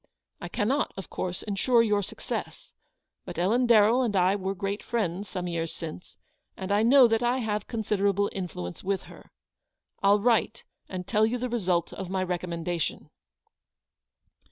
I cannot, of course, ensure you success ; but Ellen Darrell and I were great friends some years since, and I know that I have considerable influence with her. I'll write and tell you the result of my recommendation."